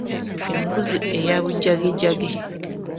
Embuzi eya bujagijagi .